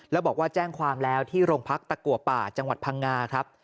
แล้วบอกว่าแจ้งความแล้วที่โรงพักตะกัวป่าจังหวัดพังงาครับ